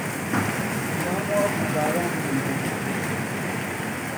لام وا بوو باران لێی دەدا